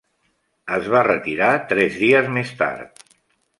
Es va retirar tres dies més tard.